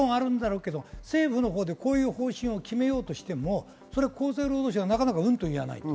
政府のほうでこういう方針を決めようとしても、厚生労働省はうんと言いません。